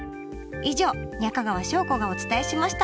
以上中川翔子がお伝えしました。